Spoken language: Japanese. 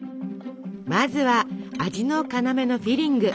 まずは味の要のフィリング。